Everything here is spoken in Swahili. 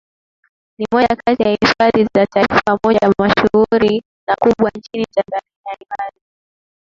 ni moja kati ya hifadhi za Taifamoja mashuhuri na kubwa nchini Tanzania Hifadhi